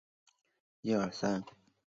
适用于大多企业。